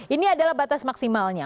ini adalah batas maksimalnya